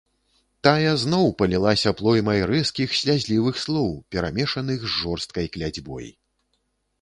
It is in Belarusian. Тая зноў палілася плоймай рэзкіх, слязлівых слоў, перамешаных з жорсткай кляцьбой.